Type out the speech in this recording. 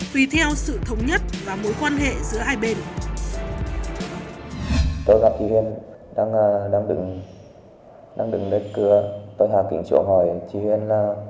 tùy theo sự thống nhất và mối quan hệ giữa hai bên